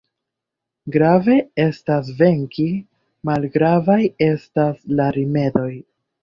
Grave estas venki, malgravaj estas la rimedoj.